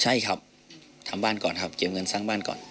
ใช่ครับทำบ้านก่อนครับเก็บเงินสร้างบ้านก่อน